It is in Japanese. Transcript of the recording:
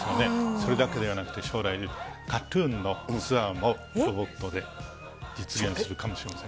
それだけではなくて、将来ＫＡＴーＴＵＮのツアーもロボットで実現するかもしれません。